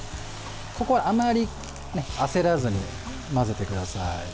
ここはあまり焦らずに混ぜてください。